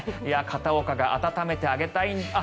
片岡が温めてあげたい。